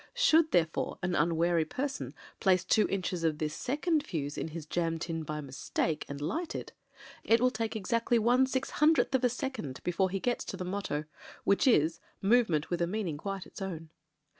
Should, therefore, an unwary per son place two inches of this second fuze in his jam tin by mistake, and light it, it will take exactly one 6ooth of a second before he gets to the motto. Which is "movement with a meaning quite its own."